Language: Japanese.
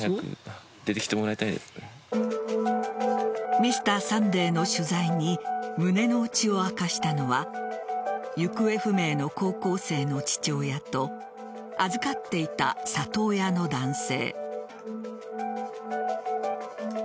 「Ｍｒ．サンデー」の取材に胸の内を明かしたのは行方不明の高校生の父親と預かっていた里親の男性。